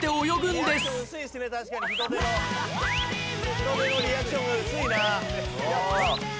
ヒトデのリアクションが薄いなあ。